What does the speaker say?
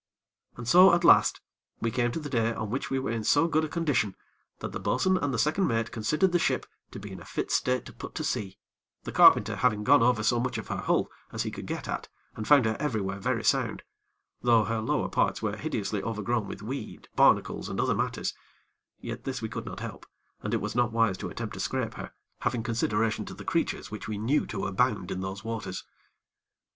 And so at last we came to the day on which we were in so good a condition that the bo'sun and the second mate considered the ship to be in a fit state to put to sea the carpenter having gone over so much of her hull as he could get at and found her everywhere very sound; though her lower parts were hideously overgrown with weed, barnacles and other matters; yet this we could not help, and it was not wise to attempt to scrape her, having consideration to the creatures which we knew to abound in those waters.